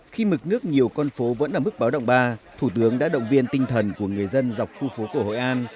khi mực nước nhiều con phố vẫn ở mức báo động ba thủ tướng đã động viên tinh thần của người dân dọc khu phố cổ hội an